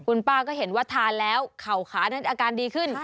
คุณป้าก็เห็นว่าทานแล้วเข่าขานั้นอาการดีขึ้น